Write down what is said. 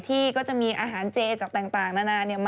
ที่กองสลากน่าจะมี